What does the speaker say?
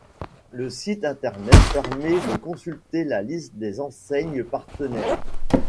Le site internet permet de consulter la liste des enseignes partenaires.